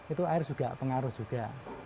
itu air juga pengaruh juga